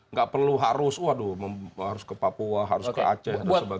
nggak perlu harus waduh harus ke papua harus ke aceh dan sebagainya